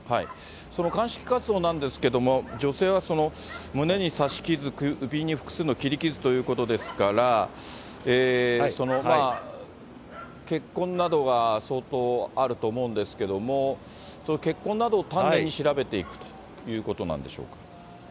その鑑識活動なんですけれども、女性はその、胸に刺し傷、首に複数の切り傷ということですから、血痕などが相当あると思うんですけれども、血痕など、丹念に調べていくということなんですか。